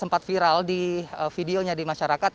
sempat viral di videonya di masyarakat